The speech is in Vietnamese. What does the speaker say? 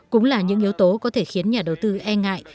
cũng là những yếu tố có thể khiến nhà đầu tư e ngại